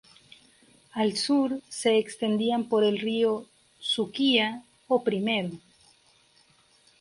Al sur se extendían por el río Suquía o Primero.